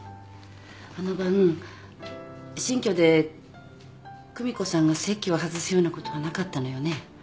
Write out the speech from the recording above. あの晩新居で久美子さんが席を外すようなことはなかったのよね。